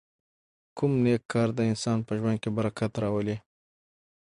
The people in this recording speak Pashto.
کوم نېک کار د انسان په ژوند کې برکت راولي؟